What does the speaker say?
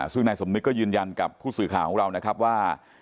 ซึ่งนายสมนึกก็ยืนยันกับผู้สื่อข่าวของเรานะครับว่า